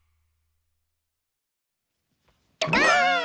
ばあっ！